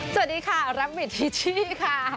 สวัสดีค่ะรับบิทิชชี่ค่ะ